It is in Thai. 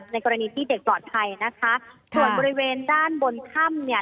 ในกรณีที่เด็กปลอดภัยนะคะส่วนบริเวณด้านบนถ้ำเนี่ย